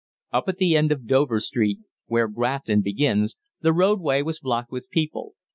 Up at the end of Dover Street, where Grafton Street begins, the roadway was blocked with people.